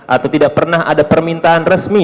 atau tidak pernah ada permintaan resmi